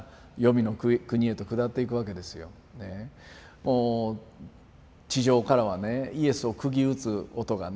もう地上からはねイエスを釘打つ音がね